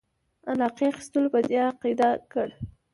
علاقې اخیستلو په دې عقیده کړ.